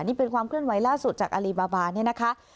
นี่เป็นความเคลื่อนไหวล่าสุดจากอลีบาบาเนี่ยนะคะ